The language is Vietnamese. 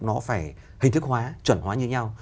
nó phải hình thức hóa chuẩn hóa như nhau